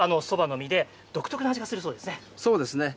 そばの実で独特な味がするそうですね。